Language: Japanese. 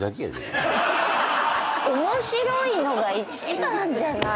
面白いのが一番じゃない。